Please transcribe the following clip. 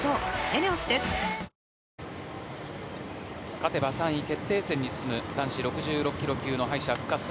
勝てば３位決定戦に進む男子６６ｋｇ級の敗者復活戦。